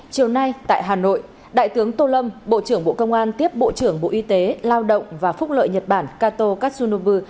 chiều nay tại hà nội đại tướng tô lâm bộ trưởng bộ công an tiếp bộ trưởng bộ y tế lao động và phúc lợi nhật bản kato katsunovu